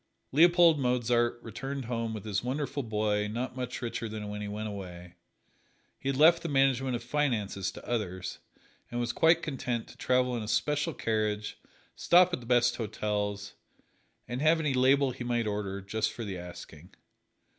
Leopold Mozart returned home with his wonderful boy not much richer than when he went away. He had left the management of finances to others, and was quite content to travel in a special carriage, stop at the best hotels, and have any "label" he might order, just for the asking.